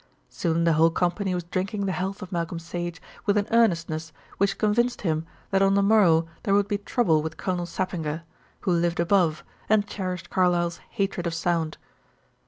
Soon the whole company was drinking the health of Malcolm Sage with an earnestness which convinced him that on the morrow there would be trouble with Colonel Sappinger, who lived above and cherished Carlyle's hatred of sound.